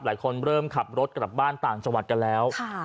เริ่มขับรถกลับบ้านต่างจังหวัดกันแล้ว